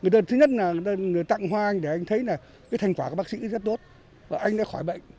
đợt thứ nhất là người tặng hoa anh để anh thấy là cái thành quả của bác sĩ rất tốt và anh đã khỏi bệnh